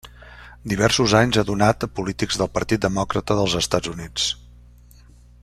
Diversos anys ha donat a polítics del Partit Demòcrata dels Estats Units.